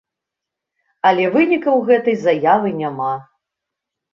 Але вынікаў гэтай заявы няма.